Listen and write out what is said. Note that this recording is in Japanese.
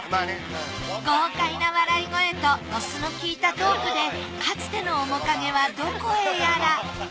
豪快な笑い声とドスの効いたトークでかつての面影はどこへやら。